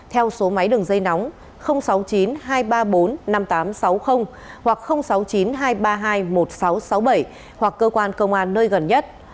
theo số máy đường dây nóng sáu mươi chín hai trăm ba mươi bốn năm nghìn tám trăm sáu mươi hoặc sáu mươi chín hai trăm ba mươi hai một nghìn sáu trăm sáu mươi bảy hoặc cơ quan công an nơi gần nhất